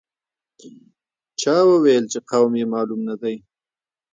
چا وویل چې قوم یې معلوم نه دی.